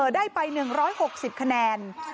ได้ไป๑๖๐คะแนน